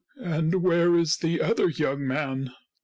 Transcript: " And where is the other young man